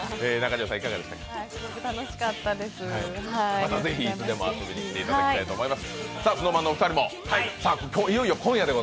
またぜひ遊びに来ていただきたいと思います。